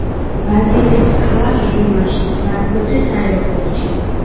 ბაზირებს ქალაქ ერევანში, ზვართნოცის აეროპორტში.